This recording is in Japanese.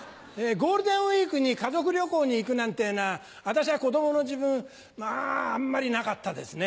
ゴールデンウイークに家族旅行に行くなんてぇのは私が子供の時分まぁあんまりなかったですね。